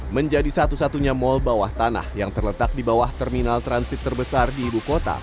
menjadi satu satunya mal bawah tanah yang terletak di bawah terminal transit terbesar di ibu kota